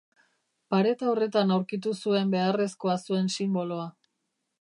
Pareta horretan aurkitu zuen beharrezkoa zuen sinboloa.